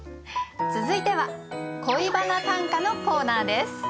続いては「恋バナ短歌」のコーナーです。